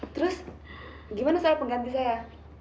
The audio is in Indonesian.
terus gimana saya pengganti saya